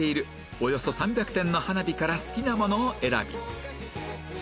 およそ３００点の花火から好きなものを選び